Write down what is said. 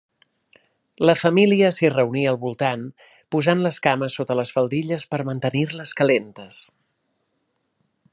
La família s'hi reunia al voltant, posant les cames sota les faldilles per mantenir-les calentes.